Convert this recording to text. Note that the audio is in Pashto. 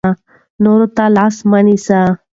نورو ته لاس مه نیسئ.